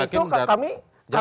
oleh karena itu kami berpemilihan